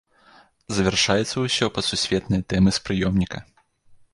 Завяршаецца ўсё пад сусветныя тэмы з прыёмніка.